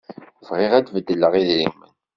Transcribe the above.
Bɣiɣ ad d-beddleɣ idrimen.